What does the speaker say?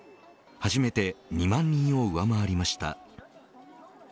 初めて２万人を上回りました。